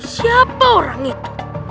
siapa orang itu